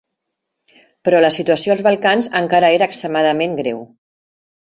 Però la situació als Balcans encara era extremadament greu.